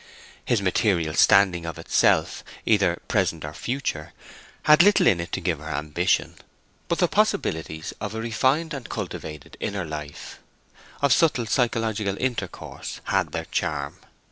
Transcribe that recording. His material standing of itself, either present or future, had little in it to give her ambition, but the possibilities of a refined and cultivated inner life, of subtle psychological intercourse, had their charm.